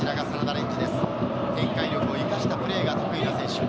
展開力を生かしたプレーが得意な選手。